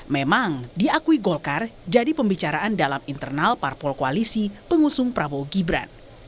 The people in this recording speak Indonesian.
memang diakui golkar jadi pembicaraan dalam internal parpol koalisi pengusung prabowo gibran